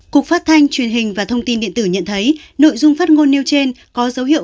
cục phát thanh truyền hình và thông tin điện tử nhận thấy nội dung phát ngôn nêu trên có dấu hiệu